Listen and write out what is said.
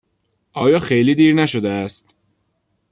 آیا خیلی دیر نشده است؟